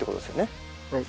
はい。